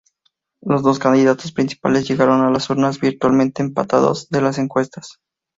Los dos candidatos principales llegaron a las urnas virtualmente empatados en las encuestas.